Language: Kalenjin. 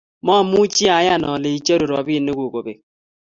mamuchi ayan ale icheru robinik kuk kobek